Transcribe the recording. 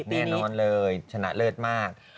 แน่นอนเลยชนะเลิศมาก